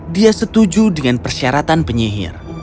dia setuju dengan persyaratan penyihir